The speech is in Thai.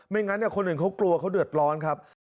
งั้นคนอื่นเขากลัวเขาเดือดร้อนครับ